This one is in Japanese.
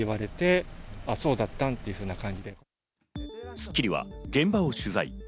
『スッキリ』は現場を取材。